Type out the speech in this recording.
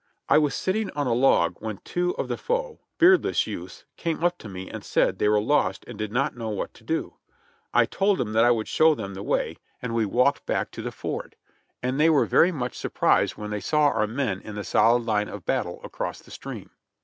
I was sitting on a log when two of the foe, beardless youths, came up to me and said they were lost and did not know what to do. I told them that I would show them the way, and we walked 6o JOHNNY REB AND BIIvLY YANK back to the ford, and they were very much surprised when they saw our men in soHd Hne of battle, across the stream.